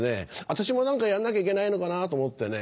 私も何かやんなきゃいけないのかなと思ってね